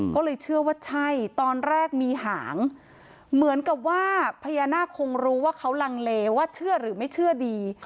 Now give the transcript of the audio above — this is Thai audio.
ก็เลยเชื่อว่าใช่ตอนแรกมีหางเหมือนกับว่าพญานาคคงรู้ว่าเขาลังเลว่าเชื่อหรือไม่เชื่อดี